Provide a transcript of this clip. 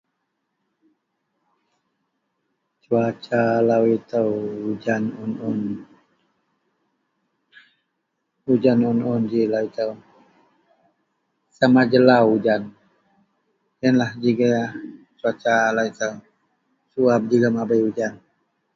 Cuaca lau ito ujan un-un, ujan un-un, ji lau ito, sama jelau ujan, iyen lah ji gaya cuaca lau ito. Suwab jegum abei ujan.